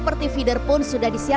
pengoperasian kcjb juga sudah disiapkan